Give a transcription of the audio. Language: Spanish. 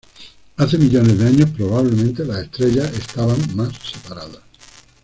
Hace millones de años, probablemente las estrellas estaban más separadas.